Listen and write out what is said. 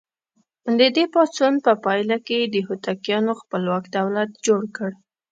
د دې پاڅون په پایله کې یې د هوتکیانو خپلواک دولت جوړ کړ.